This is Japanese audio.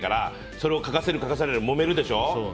それを書かせる書かせないでもめるでしょ。